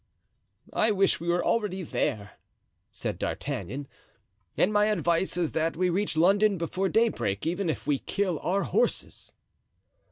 "I wish we were already there," said D'Artagnan; "and my advice is that we reach London before daybreak, even if we kill our horses."